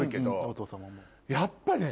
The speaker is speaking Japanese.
やっぱね。